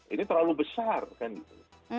ini terlalu besar bukan gitu